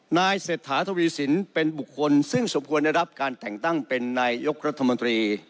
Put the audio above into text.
นายเศรษฐาทวีสินเป็นบุคคลซึ่งสมควรได้รับการแต่งตั้งเป็นนายยกรัฐมนตรี